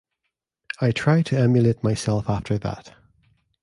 I try to emulate myself after that.